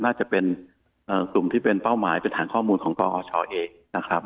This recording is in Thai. น่าจะเป็นกลุ่มที่เป็นเป้าหมายเป็นฐานข้อมูลของกอชเองนะครับ